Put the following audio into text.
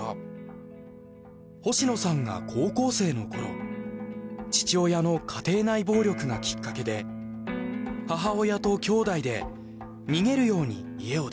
星野さんが高校生のころ父親の家庭内暴力がきっかけで母親ときょうだいで逃げるように家を出ます。